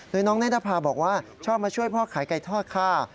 โดยน้องเนธภาบอกว่าชอบมาช่วยพ่อขายไก่ทอดค่ะ